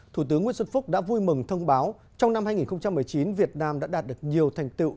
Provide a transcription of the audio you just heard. thủ tướng nguyễn xuân phúc đã vui mừng thông báo trong năm hai nghìn một mươi chín việt nam đã đạt được nhiều thành tiệu